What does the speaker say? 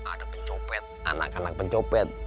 ada pencopet anak anak pencopet